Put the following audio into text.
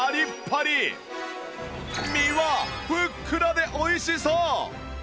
身はふっくらで美味しそう！